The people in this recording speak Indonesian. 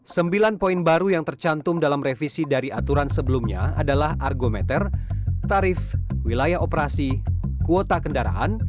sembilan poin baru yang tercantum dalam revisi dari aturan sebelumnya adalah argometer tarif wilayah operasi kuota kendaraan